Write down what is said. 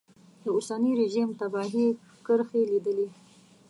د اوسني رژیم تباهي کرښې لیدلې.